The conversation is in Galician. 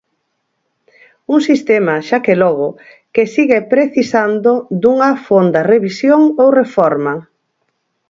Un sistema, xa que logo, que sigue precisando dunha fonda revisión ou reforma.